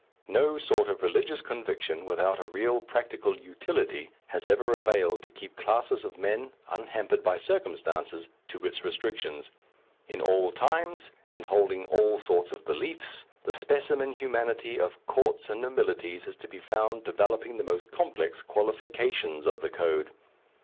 No sort of religious conviction, without a real practical utility, has ever availed to keep classes of men, unhampered by circumstances, to its restrictions. In all times, and holding all sorts of beliefs, the specimen humanity of courts and nobilities is to be found developing the most complex qualifications of the code.